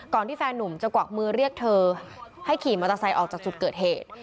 ที่แฟนหนุ่มจะกวักมือเรียกเธอให้ขี่มอเตอร์ไซค์ออกจากจุดเกิดเหตุ